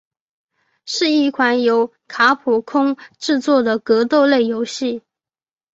是一款由卡普空制作的格斗类游戏。